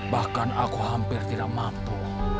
bahkan aku hampir tidak mampu